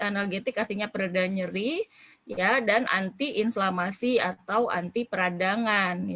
analgetik artinya pereda nyeri dan anti inflamasi atau anti peradangan